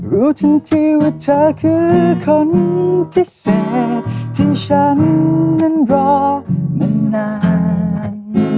รู้ทันทีว่าเธอคือคนพิเศษที่ฉันนั้นรอมานาน